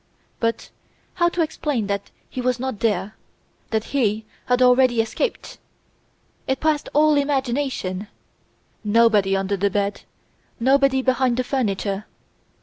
"'But how to explain that he was not there, that he had already escaped? It passes all imagination! Nobody under the bed, nobody behind the furniture!